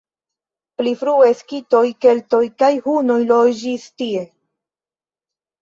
Pli frue skitoj, keltoj kaj hunoj loĝis tie.